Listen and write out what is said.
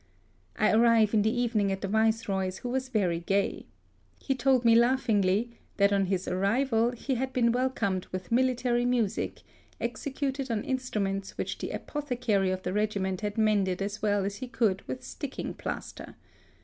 I arrive in the evening at the Viceroy's, who was very gay. He told me laughingly that on his arrival he had been welcomed with military music executed on instruments which the apothecary of the regiment had mended as well as he could with sticking plaster.